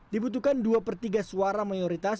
dibutuhkan dua per tiga suara mayoritas